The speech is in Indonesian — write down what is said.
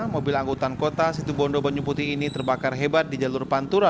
mobil angkutan kota situbondo banyu putih ini terbakar hebat di jalur pantura